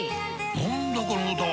何だこの歌は！